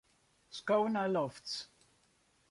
Sko nei lofts.